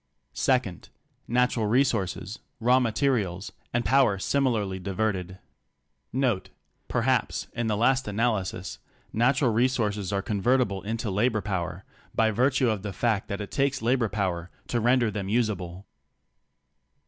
2. Natural resources, raw materials, and power similarly diverted. (Perhaps, in the last analysis, natural re sources are convertible into labor power by virtue of the fact that it takes labor power to render them use able).